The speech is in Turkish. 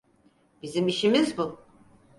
Bizim işimiz bu.